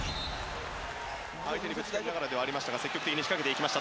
相手にぶつかりながらではありましたが積極的に仕掛けていきました。